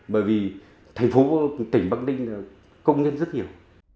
bởi vì thành phố tỉnh bắc ninh là công nhân rất nhiều